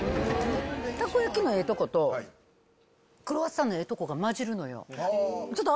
たこ焼きのええとこと、クロワッサンのええとこが混じるのよ。